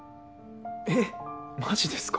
えマジですか？